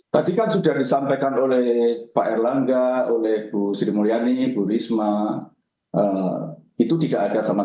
tadi kan sudah disampaikan oleh pak erlangga oleh bu sri mulyani bu risma